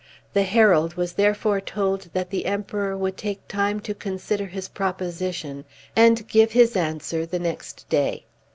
The herald was therefore told that the Emperor would take time to consider his proposition, and give his answer the next day.